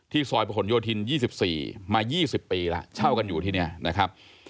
ซอยประหลโยธิน๒๔มา๒๐ปีแล้วเช่ากันอยู่ที่นี่นะครับ